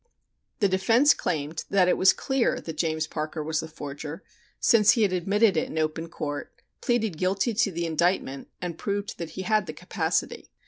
The defense claimed that it was clear that James Parker was the forger, since he had admitted it in open court, pleaded guilty to the indictment and proved that he had the capacity.